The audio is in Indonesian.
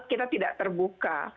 kita tidak terbuka